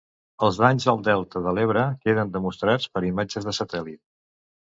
Els danys al delta de l'Ebre queden demostrats per imatges de satèl·lit.